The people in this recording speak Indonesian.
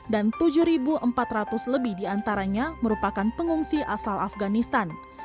dan tujuh empat ratus lebih diantaranya merupakan pengungsi asal afganistan